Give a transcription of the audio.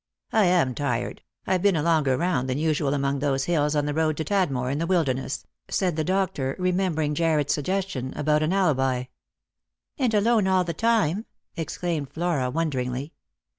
" I am tired ; I've been a longer round than usual among those hills on the road to Tadmor in the Wilderness," said the doctor, remembering Jarred's suggestion about an alibi. "And alone all the time?" exclaimed Flora wonderingly.